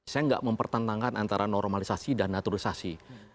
saya nggak mempertentangkan antara normalisasi dan naturalisasi